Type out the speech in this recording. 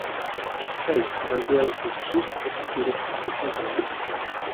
Keith Bergelt is the chief executive of the company.